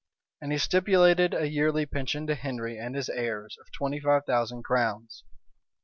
And he stipulated a yearly pension to Henry and his heirs of twenty five thousand crowns.